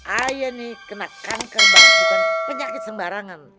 aya nih kena kanker bahkan penyakit sembarangan